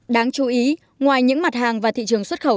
đáng chú ý ngoài những mặt hàng và thị trường xuất khẩu